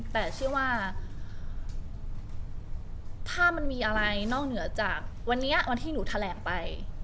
แต่เชื่อว่าถ้ามันมีอะไรนอกเหนือจากวันนี้วันที่หนูแถลงไป